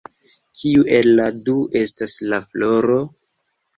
Kiu el la du estas la floro?